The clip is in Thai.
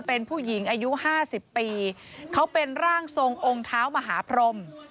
เป็นผู้หญิงอายุ๕๐ปีเขาเป็นร่างทรงองค์เท้ามหาพรม